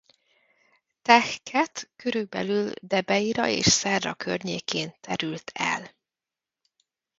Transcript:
Teh-khet körülbelül Debeira és Szerra környékén terült el.